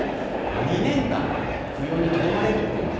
２年間扶養にとどまれるという話。